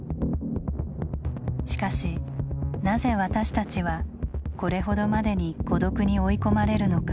しかしなぜ私たちはこれほどまでに孤独に追い込まれるのか？